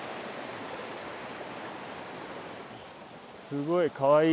すごい。